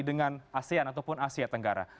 dengan asean ataupun asia tenggara